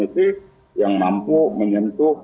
itu yang mampu